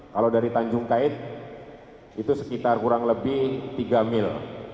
kalau dari tanjung kait itu sekitar kurang lebih tiga mil